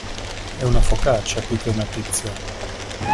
È una focaccia più che una pizza.